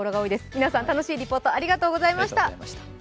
皆さん、楽しいリポートありがとうございました。